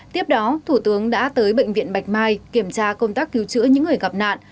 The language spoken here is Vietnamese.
tiếp đó thủ tướng đã tới bệnh viện bạch mai kiểm tra công tác cứu chữa những người gặp nạn